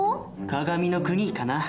鏡の国かな？